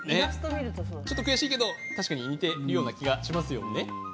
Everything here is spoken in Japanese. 悔しいけど確かに似ているような気がしますよね。